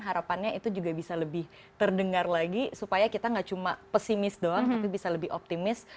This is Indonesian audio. harapannya itu juga bisa lebih terdengar lagi supaya kita gak cuma pesimis doang tapi bisa lebih optimis